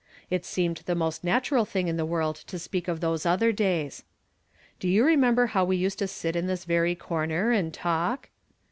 It seemed the most natural thing in the world to speak of those other days. " Do you remember iiow we used to sit in this very corner and talk